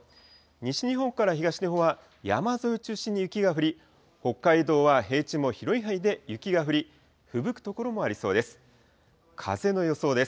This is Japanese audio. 西日本から東日本は山沿い中心に雪が降り、北海道は平地も広い範囲で雪が降り、ふぶく所もありそうです。